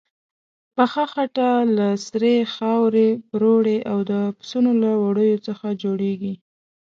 پخه خټه له سرې خاورې، پروړې او د پسونو له وړیو څخه جوړیږي.